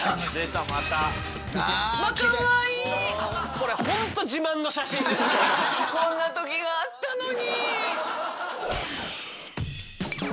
こんな時があったのに。